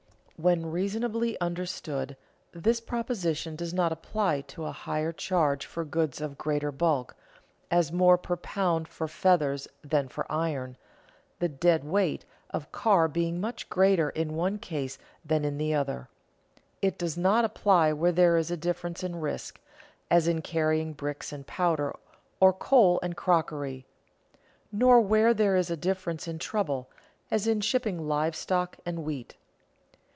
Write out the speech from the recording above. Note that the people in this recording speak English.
_ When reasonably understood, this proposition does not apply to a higher charge for goods of greater bulk, as more per pound for feathers than for iron, the "dead weight" of car being much greater in one case than in the other. It does not apply where there is a difference in risk, as in carrying bricks and powder, or coal and crockery; nor where there is a difference in trouble, as in shipping live stock and wheat.